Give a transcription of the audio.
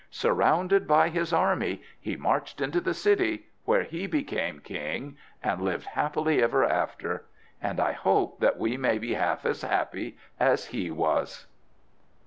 Surrounded by his army, he marched into the city, where he became king, and lived happily ever after. And I hope that we may be half as happy as he was.